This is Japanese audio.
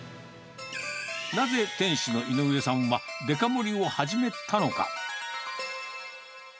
なぜ、店主の井上さんは、デカ盛りを始めたのか。